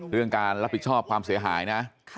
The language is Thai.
เรื่องการรับผิดชอบความเสียหายนะ